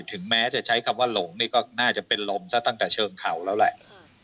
ถึงแม้จะใช้คำว่าหลงนี่ก็น่าจะเป็นลมซะตั้งแต่เชิงเขาแล้วแหละ